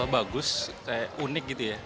bagus unik gitu ya